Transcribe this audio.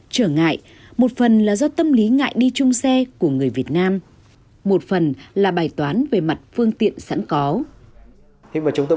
trở ngại một phần là do tâm lý ngại đi chung xe của người việt nam một phần là bài toán về mặt phương tiện sẵn có